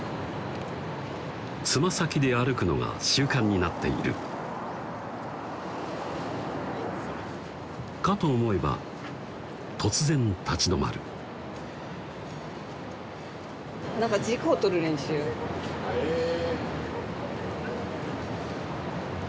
爪先で歩くのが習慣になっているかと思えば突然立ち止まるへぇ！